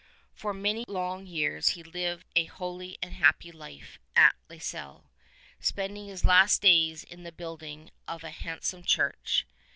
For many long years he lived a holy and a happy life at La Celle, spending his last days in the building of a handsome church.